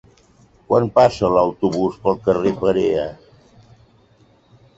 Quan passa l'autobús pel carrer Perea?